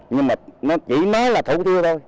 nhưng mà nó chỉ nói là thủ tiêu thôi